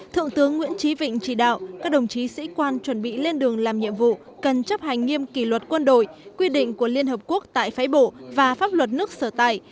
thượng tướng nguyễn trí vịnh chỉ đạo các đồng chí sĩ quan chuẩn bị lên đường làm nhiệm vụ cần chấp hành nghiêm kỷ luật quân đội quy định của liên hợp quốc tại phái bộ và pháp luật nước sở tại